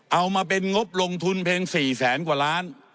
เอามาเป็นงบลงทุนเพียง๔แสนกว่าล้าน